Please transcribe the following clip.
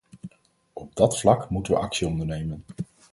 Op dat vlak moeten we actie ondernemen.